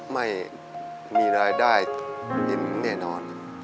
ไม่มีรายได้กินแน่นอน